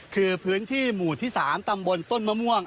คือพื้นที่หมู่ที่๓ตำบลต้นมะม่วง